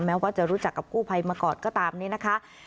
ว่าจะรู้จักกับกู้ภัยมาก่อนก็ตามนี้นะคะ